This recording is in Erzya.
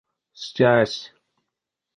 Стясь.